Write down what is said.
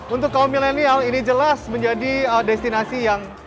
untuk kaum milenial ini jelas menjadi destinasi yang